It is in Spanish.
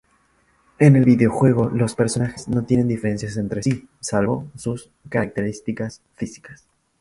En el videojuego, los personajes no tienen diferencias entre sí, salvo sus características físicas.